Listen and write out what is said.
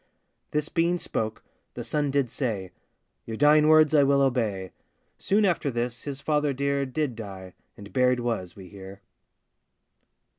This being spoke, the son did say, 'Your dying words I will obey.' Soon after this his father dear Did die, and buried was, we hear.